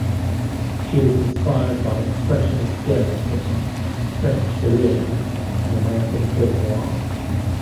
She was inspired by expressionist German cinema, French surrealism and American film noir.